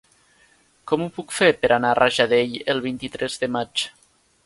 Com ho puc fer per anar a Rajadell el vint-i-tres de maig?